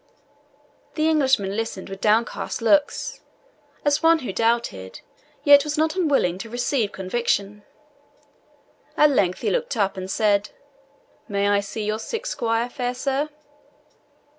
The Englishman listened with downcast looks, as one who doubted, yet was not unwilling to receive conviction. At length he looked up and said, "May I see your sick squire, fair sir?"